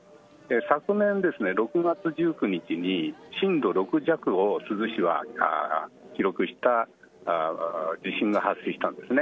昨年ですね６月１９日に震度６弱を珠洲市は記録した地震が発生したんですね。